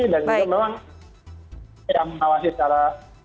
dan ini memang datang mengawasi secara